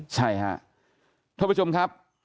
ใช่ค่ะทุกผู้ชมครับ